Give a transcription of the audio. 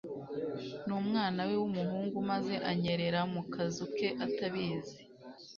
n'umwana we w'umuhungu, maze anyerera mu kazu ke atabizi